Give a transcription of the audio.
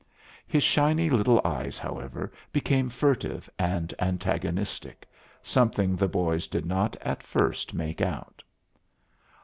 His shiny little eyes, however, became furtive and antagonistic something the boys did not at first make out.